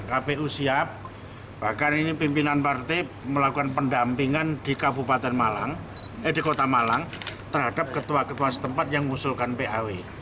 kpu siap bahkan ini pimpinan partai melakukan pendampingan di kota malang terhadap ketua ketua setempat yang mengusulkan paw